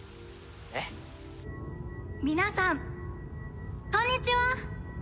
皆さんこんにちは！